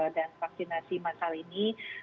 dan vaksinasi masal ini